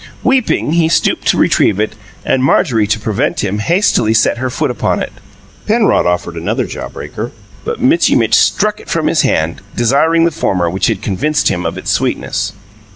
Weeping, he stooped to retrieve it, and Marjorie, to prevent him, hastily set her foot upon it. Penrod offered another jaw breaker; but Mitchy Mitch struck it from his hand, desiring the former, which had convinced him of its sweetness.